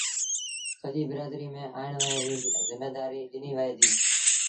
سڄيٚ برآدريٚ ميݩ اُيٚڻ ويهڻ ريٚ زميدآريٚ ڏنيٚ وهي ديٚ